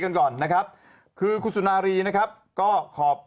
นอกใจแป๊บแป๊บแป๊บ